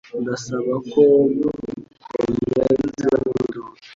Ndasaba ko mukomeza mwitonze.